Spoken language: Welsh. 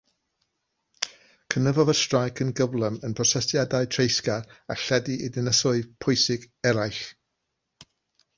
Cynyddodd y streic yn gyflym yn brotestiadau treisgar a lledu i ddinasoedd pwysig eraill.